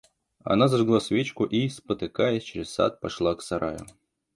Она зажгла свечку и, спотыкаясь, через сад пошла к сараю.